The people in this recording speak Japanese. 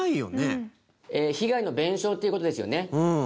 被害の弁償っていう事ですよね？